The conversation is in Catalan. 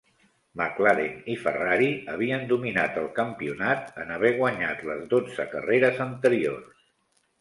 McLaren i Ferrari havien dominat el campionat, en haver guanyat les dotze carreres anteriors.